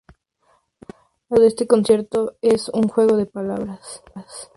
El título de este concierto es un juego de palabras.